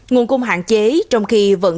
nguồn cung hạn chế trong khi vận